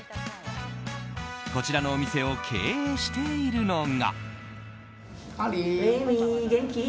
こちらのお店を経営しているのが。